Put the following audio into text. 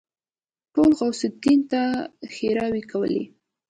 ټولو غوث الدين ته ښېراوې کولې.